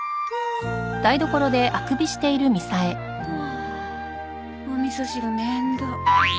あお味噌汁面倒。